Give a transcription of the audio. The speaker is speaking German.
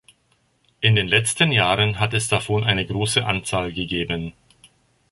In den letzten Jahren hat es davon eine große Anzahl gegeben.